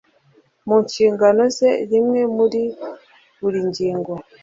mu nshingano ze rimwe muri buri ngingo